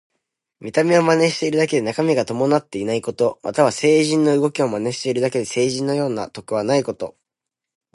見た目を真似しているだけで中身が伴っていないこと。または、聖人の動きを真似しているだけで聖人のような徳はないこと。